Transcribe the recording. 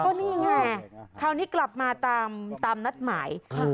ก็นี่ไงคราวนี้กลับมาตามตามนัดหมาย